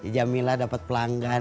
jamilah dapet pelanggan